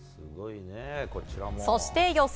そして予選。